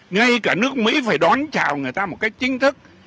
ngay cả nước mỹ phải đón chào người ta một cách chính thức